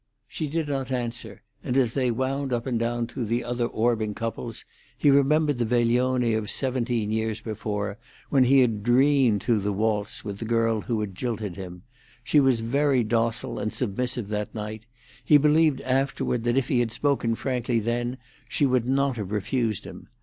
She did not answer, and as they wound up and down through the other orbing couples, he remembered the veglione of seventeen years before, when he had dreamed through the waltz with the girl who jilted him; she was very docile and submissive that night; he believed afterward that if he had spoken frankly then, she would not have refused him.